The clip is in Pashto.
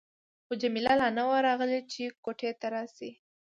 خو جميله لا نه وه راغلې چې کوټې ته راشي.